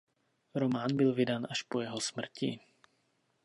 Román byl vydán až po jeho smrti.